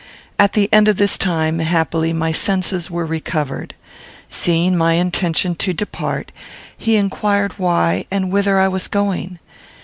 At the end of this time, happily, my senses were recovered. Seeing my intention to depart, he inquired why, and whither I was going.